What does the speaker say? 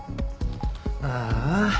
ああ。